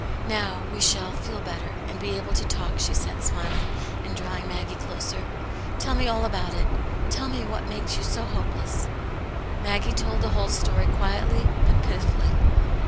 "Now, we shall feel better, and be able to talk," shQ said, smiling, and drawing M.^.^<£^^ cXq^^x. ^'"^^ Aunt Janets Hero. 147 me all about it ; tell me what makes you so hope* less." Maggie told the whole story quietly, but pitifully.